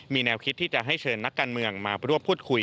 มีแนวคิดที่จะให้เชิญนักการเมืองมาร่วมพูดคุย